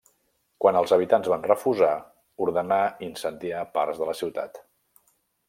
Quan els habitants van refusar, ordenà incendiar parts de la ciutat.